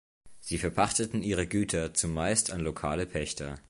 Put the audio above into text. Sie verpachteten ihre Güter zumeist an lokale Pächter.